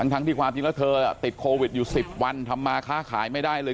ทั้งที่ความจริงแล้วเธอติดโควิดอยู่๑๐วันทำมาค้าขายไม่ได้เลย